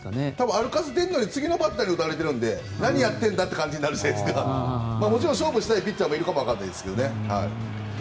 歩かせているのに次のバッターに打たれているので何やっているんだという感じでもちろん勝負したいピッチャーもいるかも分からないですけどね。